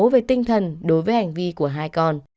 về tinh thần đối với hành vi của hai con